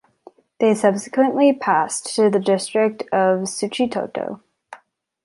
They subsequently passed to the district of Suchitoto.